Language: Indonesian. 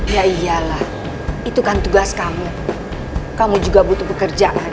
ya iyalah itu kan tugas kamu kamu juga butuh pekerjaan